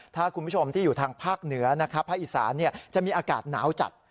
ถ้าคุณผู้ชมที่อยู่ทางภาคเหนือนะครับภาคอีสานจะมีอากาศหนาวจัด